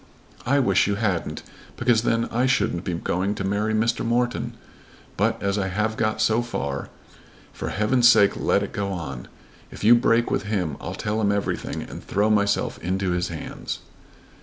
"I wish you hadn't, because then I shouldn't be going to marry Mr. Morton. But, as I have got so far, for heaven's sake let it go on. If you break with him I'll tell him everything and throw myself into his hands."